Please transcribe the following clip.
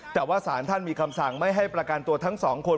แต่ว่าสารท่านมีคำสั่งไม่ให้ประกันตัวทั้งสองคน